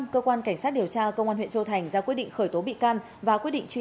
cơ quan cảnh sát điều tra công an huyện châu thành ra quyết định khởi tố bị can và quyết định truy nã